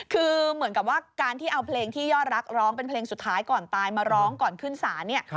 คือเหมือนกับว่าการที่เอาเพลงที่ยอดรักร้องเป็นเพลงสุดท้ายก่อนตายมาร้องก่อนขึ้นศาลเนี่ย